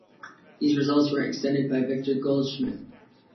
These results were extended by Victor Goldschmidt.